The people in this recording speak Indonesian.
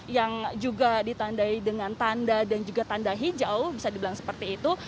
yang juga ditandai dengan tanda dan juga tanda hijau bisa dibilang seperti itu